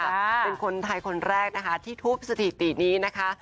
เป็นคนไทยคนแรกนะคะที่ทุบสถิตินี้นะคะ